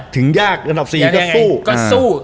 ถึงยากกระดับสี่ก็สู้